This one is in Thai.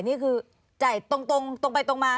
นี่คือจ่ายตรงไปตรงมา